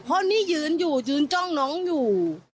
เพราะนี่ยืนอยู่ยืนจ้องน้องอยู่